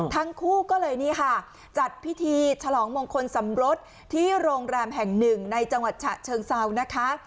ทั้งคู่ก็เลยนี่ค่ะจัดพิธีฉลองมงคลสมรสที่โรงแรมแห่งหนึ่งในจังหวัดฉะเชิงเซานะคะ